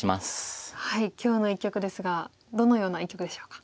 今日の一局ですがどのような一局でしょうか。